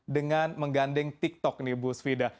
dengan menggandeng tiktok nih bu svida